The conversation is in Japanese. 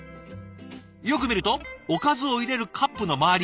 よく見るとおかずを入れるカップの周り